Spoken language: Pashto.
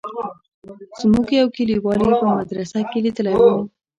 زموږ يو کليوال يې په مدرسه کښې ليدلى و.